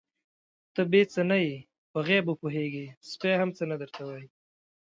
_ته بې څه نه يې، په غيبو پوهېږې، سپی هم څه نه درته وايي.